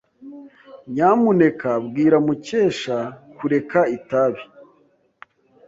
Nyamuneka bwira Mukesha kureka itabi.